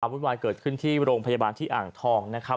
วุ่นวายเกิดขึ้นที่โรงพยาบาลที่อ่างทองนะครับ